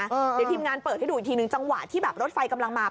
เดี๋ยวทีมงานเปิดให้ดูอีกทีหนึ่งจังหวะที่แบบรถไฟกำลังมา